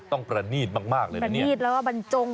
ต้องกระนีดมากมากเลยนะเนี่ยกระนีดแล้วก็บรรจง